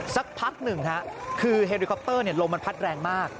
สักพักหนึ่งคือเฮริคอปเตอร์ลมมันพัดแรงมาก